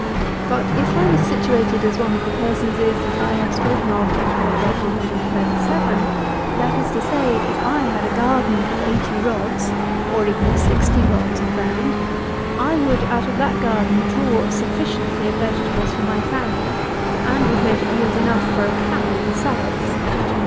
But if I was situated as one of the persons is that I have spoken of in Paragraph 137; that is to say, if I had a garden of eighty rods, or even of sixty rods of ground, I would out of that garden, draw a sufficiency of vegetables for my family, and would make it yield enough for a cow besides.